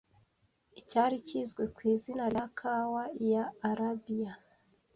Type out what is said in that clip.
Icyari kizwi ku izina rya Kawa ya Arabiya